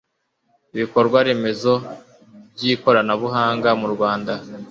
ibikorwa remezo by ikoranabuhanga murwanda